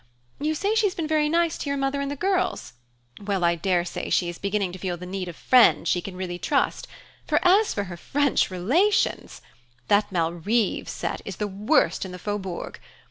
You say she's been very nice to your mother and the girls? Well, I daresay she is beginning to feel the need of friends she can really trust; for as for her French relations ! That Malrive set is the worst in the Faubourg.